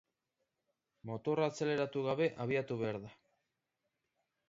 Motorra azeleratu gabe abiatu behar da.